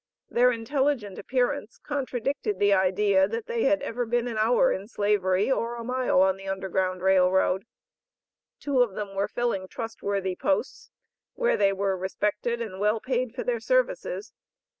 Their intelligent appearance contradicted the idea that they had ever been an hour in Slavery, or a mile on an Underground Rail Road. Two of them were filling trustworthy posts, where they were respected and well paid for their services.